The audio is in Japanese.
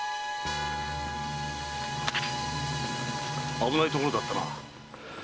危ないところだったな。